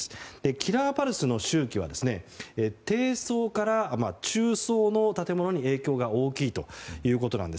キラーパルスの周期は低層から中層の建物に影響が大きいということなんです。